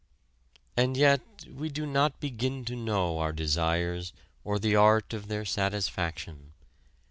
And yet we do not begin to know our desires or the art of their satisfaction.